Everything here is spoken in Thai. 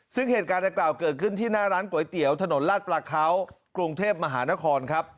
ซึ่งเหตุการณ์เกิดขึ้นที่หน้าร้านก๋วยเตี๋ยวถนนราชประเขากรุงเทพฯมหานคร